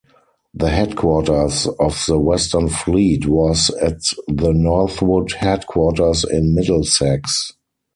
The headquarters of the Western Fleet was at the Northwood Headquarters in Middlesex.